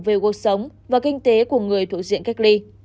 về cuộc sống và kinh tế của người thuộc diện cách ly